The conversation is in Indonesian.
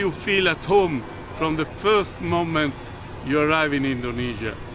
bagaimana anda merasa di rumah dari saat pertama anda tiba di indonesia